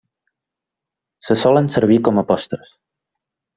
Se solen servir com a postres.